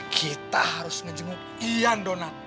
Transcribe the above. kita harus menjenguk ian donat